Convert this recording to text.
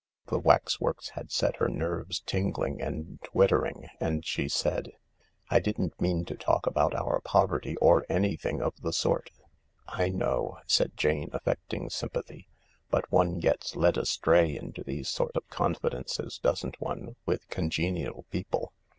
The waxworks had set her nerves tingling and twittering, and she said: " I didn't mean to talk about our poverty or anything of the sort." " I know," said Jane, affecting sympathy, " but one gets led away into these sort of confidences, doesn't one, with congenial people